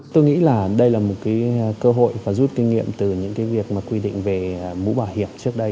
tôi nghĩ là đây là một cơ hội và rút kinh nghiệm từ những việc quy định về mũ bảo hiểm trước đây